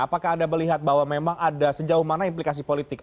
apakah anda melihat bahwa memang ada sejauh mana implikasi politik